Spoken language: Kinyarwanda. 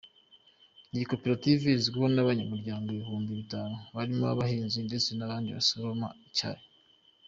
Iyi koperative igizwe n’abanyamuryango ibihumbi bitanu barimo abahinzi ndetse n’abandi basoroma icyayi.